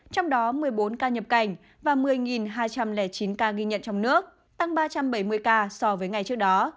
trong đó một mươi bốn ca nhập cảnh và một mươi hai trăm linh chín ca ghi nhận trong nước tăng ba trăm bảy mươi ca so với ngày trước đó